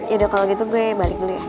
yaudah kalau gitu gue balik dulu ya